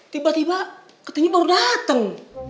tiba tiba ketengin baru dateng